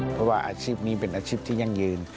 เพราะว่าอาชีพนี้เป็นอาชีพที่ยั่งยืน